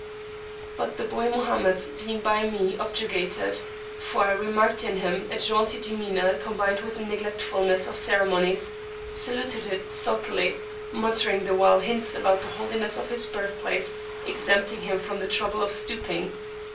But the boy Mohammed being by me objurgated for I [p.431]remarked in him a jaunty demeanour combined with neglectfulness of ceremonies saluted it sulkily, muttering the while hints about the holiness of his birthplace exempting him from the trouble of stooping.